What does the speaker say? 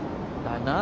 「だな」